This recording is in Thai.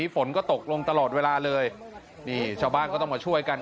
ฝนก็ตกลงตลอดเวลาเลยนี่ชาวบ้านก็ต้องมาช่วยกัน